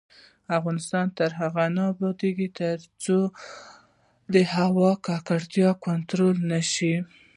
افغانستان تر هغو نه ابادیږي، ترڅو د هوا ککړتیا کنټرول نشي.